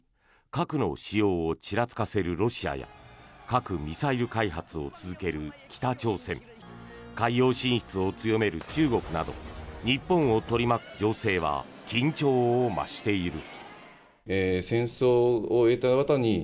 核の使用をちらつかせるロシアや核・ミサイル開発を続ける北朝鮮海洋進出を強める中国など日本を取り巻く情勢は緊張を増している。